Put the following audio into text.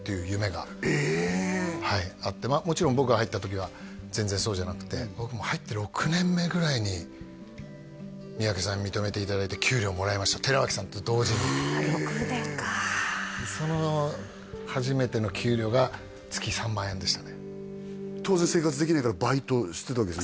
はいあってもちろん僕が入った時は全然そうじゃなくて僕も入って６年目ぐらいに三宅さんに認めていただいて給料もらいました寺脇さんと同時にはあ６年かその初めての給料が当然生活できないからバイトしてたわけですよね？